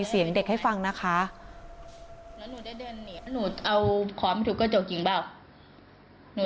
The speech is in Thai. พ่อพ่อนอนอยู่ดูออกไปพ่อตีหนู